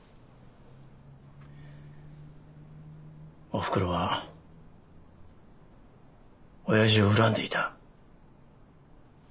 おふくろはオヤジを恨んでいた。